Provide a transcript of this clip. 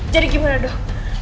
jadi gimana dok